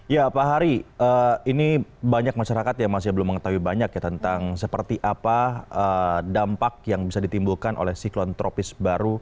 ya pak hari ini banyak masyarakat yang masih belum mengetahui banyak ya tentang seperti apa dampak yang bisa ditimbulkan oleh siklon tropis baru